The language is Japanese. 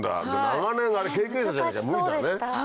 長年あれ経験者じゃなきゃ無理だね。